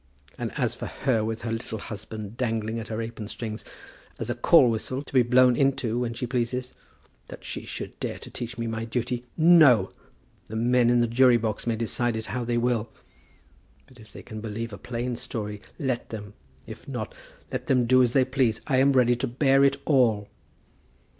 And as for her, with her little husband dangling at her apron strings, as a call whistle to be blown into when she pleases, that she should dare to teach me my duty! No! The men in the jury box may decide it how they will. If they can believe a plain story, let them! If not, let them do as they please. I am ready to bear it all."